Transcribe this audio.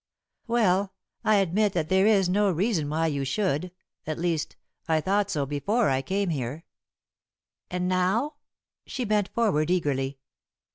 "Well, I admit that there is no reason why you should at least, I thought so before I came here." "And now?" She bent forward eagerly.